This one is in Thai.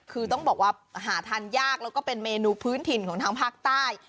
คือต้องบอกว่าหาทานยากแล้วก็เป็นเมนูพื้นถิ่นของทางภาคใต้